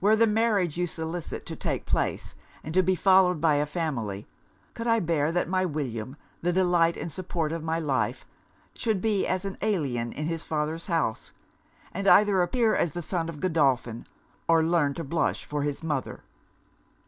Were the marriage you solicit to take place, and to be followed by a family, could I bear that my William, the delight and support of my life, should be as an alien in his father's house, and either appear as the son of Godolphin or learn to blush for his mother!